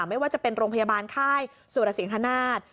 ไม่ว่าจะเป็นโรงพยาบาลค่ายสุรสิงฮนาศ